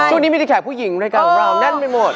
ช่วงนี้ไม่ได้แขกผู้หญิงในกลางราวนั้นไปหมด